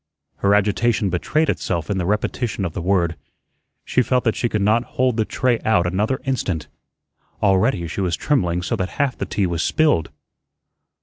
Her agitation betrayed itself in the repetition of the word. She felt that she could not hold the tray out another instant. Already she was trembling so that half the tea was spilled.